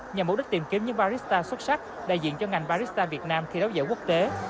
nhằm mục đích tìm kiếm những barista xuất sắc đại diện cho ngành barista việt nam khi đấu giải quốc tế